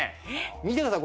見てください！